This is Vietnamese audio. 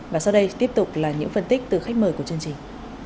và sau đây tiếp tục là những phân tích từ khách mời của chương trình